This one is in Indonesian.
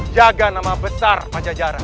jaga nama besar pajajaran